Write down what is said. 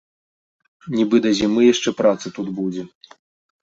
Нібы да зімы яшчэ праца тут будзе.